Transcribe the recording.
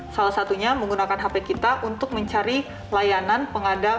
salah satunya menggunakan hp kita untuk mencari layanan pengadaan